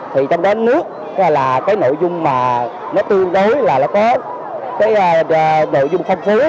thì trong đó nước là cái nội dung mà nó tương đối là nó có cái nội dung phong phú